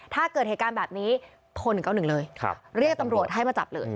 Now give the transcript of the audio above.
ถ้าเกิดเหตุการณ์แบบนี้โทร๑๙๑เลยเรียกตำรวจให้มาจับเลย